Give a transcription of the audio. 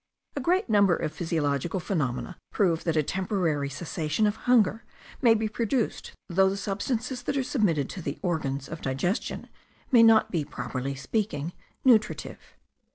A great number of physiological phenomena prove that a temporary cessation of hunger may be produced though the substances that are submitted to the organs of digestion may not be, properly speaking, nutritive.